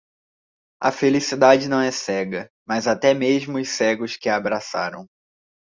A felicidade não é cega, mas até mesmo os cegos que a abraçaram.